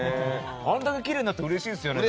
あれだけきれいになったらうれしいですよね。